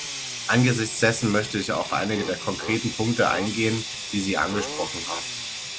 Angesichts dessen möchte ich auf einige der konkreten Punkte eingehen, die Sie angesprochen haben.